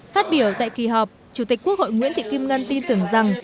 phát biểu tại kỳ họp chủ tịch quốc hội nguyễn thị kim ngân tin tưởng rằng